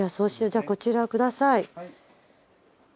じゃあこちらをください。